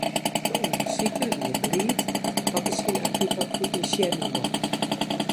De ûndersiker wie bliid dat er syn artikel publisearje mocht.